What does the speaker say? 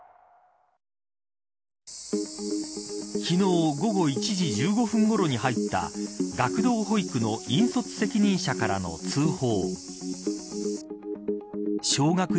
昨日、午後１時１５分ごろに入った学童保育の引率責任者からの通報。